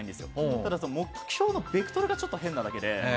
ただ、目標のベクトルが変なだけで。